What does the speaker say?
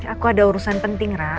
aku ada urusan penting rak